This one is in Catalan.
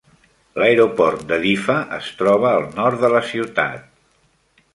L'aeroport de Diffa es troba al nord de la ciutat.